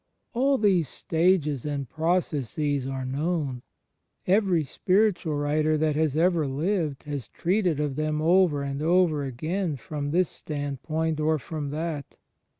All these stages and processes are known; every spiritual writer that has ever lived has treated of them over and over again from this standpoint or from that.